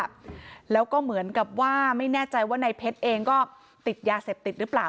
แล้วก็เหมือนกับว่าไม่แน่ใจว่าในเพชรเองก็ติดยาเสพติดหรือเปล่า